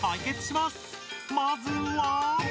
まずは？